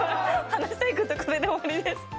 話したいこと、これで終わりです。